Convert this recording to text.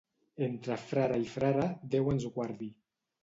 Entre frare i frare, Déu ens guardi.